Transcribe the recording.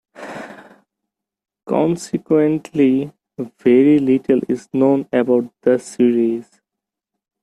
Consequently, very little is known about the series.